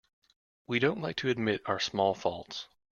We don't like to admit our small faults.